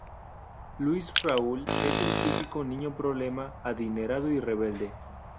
Luis Raúl es el típico "niño problema", adinerado y rebelde.